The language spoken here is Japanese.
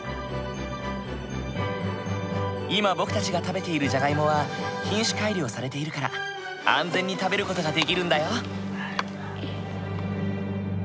今僕たちが食べているじゃがいもは品種改良されているから安全に食べる事ができるんだよ。